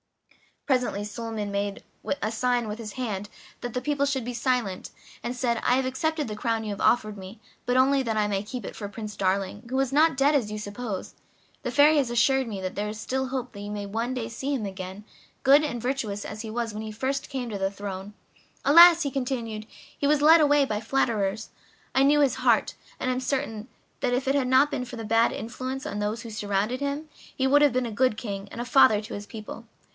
Presently Suliman made a sign with his hand that the people should be silent, and said: "I have accepted the crown you have offered me, but only that I may keep it for Prince Darling, who is not dead as you suppose; the Fairy has assured me that there is still hope that you may some day see him again, good and virtuous as he was when he first came to the throne. Alas!" he continued, "he was led away by flatterers. I knew his heart, and am certain that if it had not been for the bad influence of those who surrounded him he would have been a good king and a father to his people.